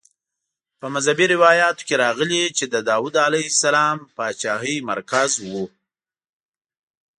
په مذهبي روایاتو کې راغلي چې د داود علیه السلام د پاچاهۍ مرکز وه.